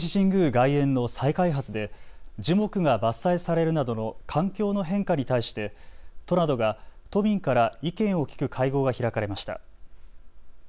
外苑の再開発で樹木が伐採されるなどの環境の変化に対して都などが都民から意見を聞く会合が開かれました。